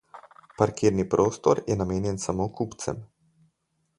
Parkirni prostor je namenjen samo kupcem.